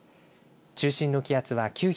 中心の気圧は９３５